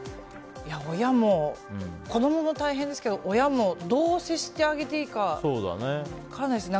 子供も大変ですけど親もどう接してあげていいか分かんないです。